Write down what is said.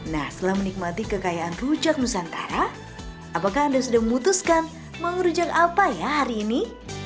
nah setelah menikmati kekayaan rujak nusantara apakah anda sudah memutuskan mau rujak apa ya hari ini